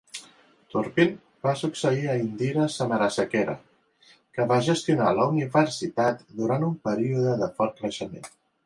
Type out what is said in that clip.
Turpin va succeir a Indira Samarasekera, que va gestionar la universitat durant un període de fort creixement.